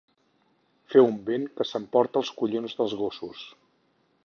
Fer un vent que s'emporta els collons dels gossos.